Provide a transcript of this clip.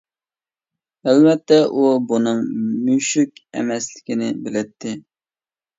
ئەلۋەتتە، ئۇ بۇنىڭ مۈشۈك ئەمەسلىكىنى بىلەتتى.